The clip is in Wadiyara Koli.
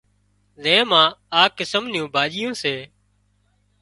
زي مان آ قسم نيون ڀاڄيون سي